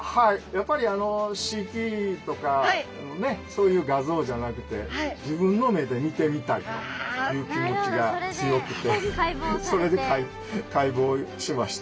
やっぱりＣＴとかのねそういう画像じゃなくて自分の目で見てみたいという気持ちが強くてそれで解剖しました。